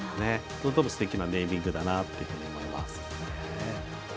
すてきなネーミングだなと思います。